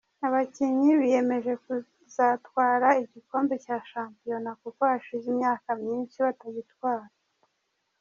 Abakinnyi biyemeje kuzatwara igikombe cya shampiona, kuko hashize imyaka myinshi batagitwara.